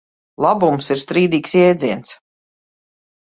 Labums ir strīdīgs jēdziens.